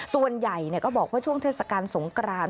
ส่วนใหญ่ก็บอกว่าช่วงเทศกาลสงกราน